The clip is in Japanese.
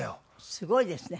すごいですね。